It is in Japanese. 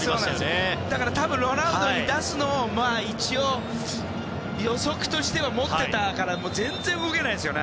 だから多分、ロナウドに出すのを一応予測としては持っていたから全然動けないですよね。